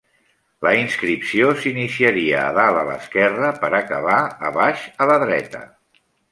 La inscripció s'iniciaria a dalt a l'esquerra per acabar a baix a la dreta.